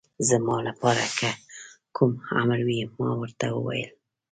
زما لپاره که کوم امر وي، ما ورته وویل.